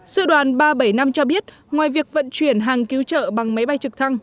sự đoàn ba trăm bảy mươi năm cho biết ngoài việc vận chuyển hàng cứu trợ bằng máy bay trực thăng